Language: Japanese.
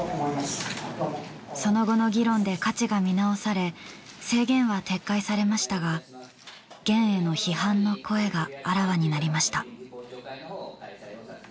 その後の議論で価値が見直され制限は撤回されましたが『ゲン』への批判の声があらわになりました。